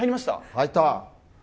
入った！